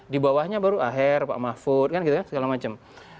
di bawahnya baru aher pak mahfud segala macam